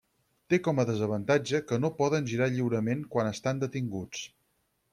Té com a desavantatge que no poden girar lliurement quan estan detinguts.